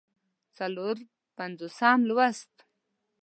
څلور پينځوسم لوست